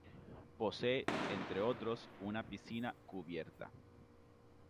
Posee, entre otros, una piscina cubierta.